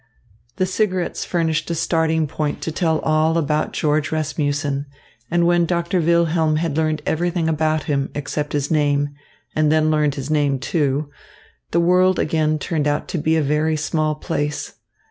The cigarettes furnished a starting point to tell all about George Rasmussen; and when Doctor Wilhelm had learned everything about him, except his name, and then learned his name, too, the world again turned out to be a very small place.